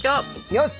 よし！